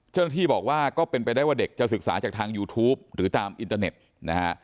เจ้าหน้าที่บอกว่าก็เป็นไปได้ว่าเด็กจะศึกษาจากทางยูทูปหรือตามอินเตอร์เน็ตนะฮะ